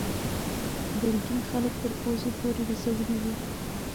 ګرګین خلک تر پوزې پورې رسولي وو.